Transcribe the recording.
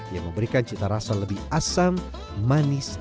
yang memberikan cita rasa lebih asam manis